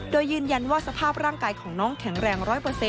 โดยยืนยันว่าสภาพร่างกายของน้องแข็งแรง๑๐๐